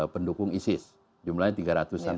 pendukung isis jumlahnya tiga ratus an